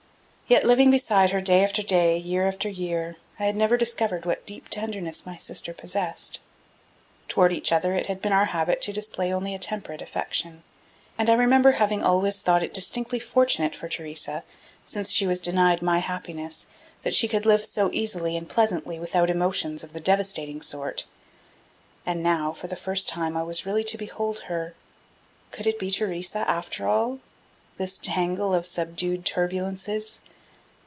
Yet, living beside her day after day, year after year, I had never discovered what deep tenderness my sister possessed. Toward each other it had been our habit to display only a temperate affection, and I remember having always thought it distinctly fortunate for Theresa, since she was denied my happiness, that she could live so easily and pleasantly without emotions of the devastating sort.... And now, for the first time, I was really to behold her.... Could it be Theresa, after all, this tangle of subdued turbulences?